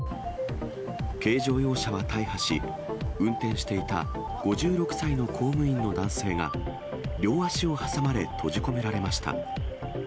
軽乗用車は大破し、運転していた５６歳の公務員の男性が、両足を挟まれ閉じ込められました。